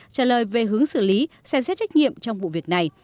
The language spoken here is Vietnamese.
trả lời về hướng xử lý xem xét trách nhiệm trong vụ việc này